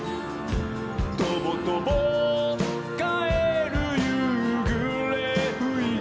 「とぼとぼかえるゆうぐれふいに」